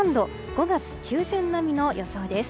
５月中旬並みの予想です。